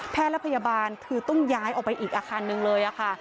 และพยาบาลคือต้องย้ายออกไปอีกอาคารหนึ่งเลยค่ะ